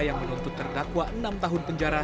yang menuntut terdakwa enam tahun penjara